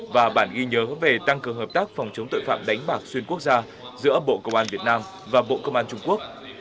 và bản ghi nhớ về tăng cường hợp tác phòng chống tội phạm đánh bạc xuyên quốc gia giữa bộ công an việt nam và bộ công an trung quốc